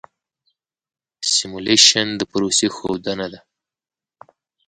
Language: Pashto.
سیمولیشن د پروسې ښودنه ده.